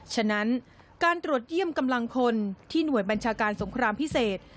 ฉะนั้นการตรวจเยี่ยมกำลังคนที่หน่วยบัญชาการสงครามพิเศษ